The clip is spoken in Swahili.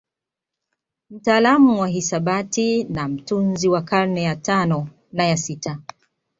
Mtaalamu wa hisabati na mtunzi wa karne ya tano na ya sita